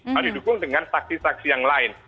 harus didukung dengan saksi saksi yang lain